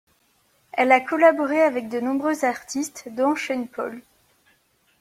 Elle a collaboré avec de nombreux artistes dont Sean Paul.